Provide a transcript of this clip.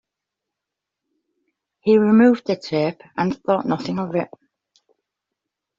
He removed the tape, and thought nothing of it.